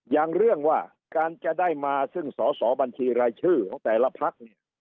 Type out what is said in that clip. อย่างเรื่องว่าการจะได้มาซึ่งสอสอบัญชีรายชื่อของแต่ละพักเนี่ย